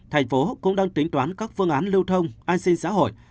thành phố cũng đang tính toán các phương án lưu thông an sinh xã hội